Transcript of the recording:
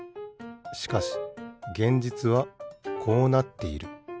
しかし現実はこうなっている。